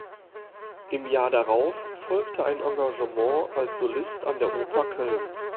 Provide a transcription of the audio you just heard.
Im Jahr darauf folgte ein Engagement als Solist an der Oper Köln.